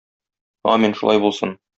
Амин, шулай булсын.